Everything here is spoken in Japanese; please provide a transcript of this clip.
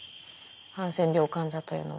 ハンセン病患者というのは。